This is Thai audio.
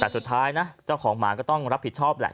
แต่สุดท้ายนะเจ้าของหมาก็ต้องรับผิดชอบแหละ